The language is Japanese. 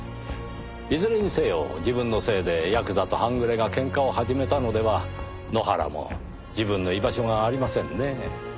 いずれにせよ自分のせいでヤクザと半グレが喧嘩を始めたのでは埜原も自分の居場所がありませんねぇ。